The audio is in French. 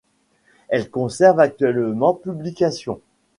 Elle conserve actuellement publications.